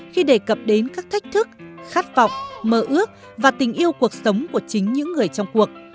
khi đề cập đến các thách thức khát vọng mơ ước và tình yêu cuộc sống của chính những người trong cuộc